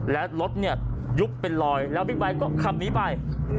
และรถเนี่ยยุบเป็นลอยแล้วบิ๊กไบท์ก็ขับหนีไป